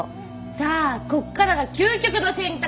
さあこっからが究極の選択。